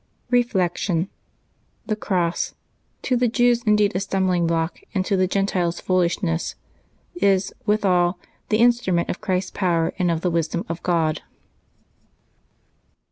Reflection. — The cross, 'Ho the Jews indeed a stum bling block, and to the Gentiles foolishness,'^ is, withal, the instrument of Christ's power and of the wisdom of God.